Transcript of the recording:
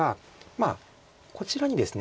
まあこちらにですね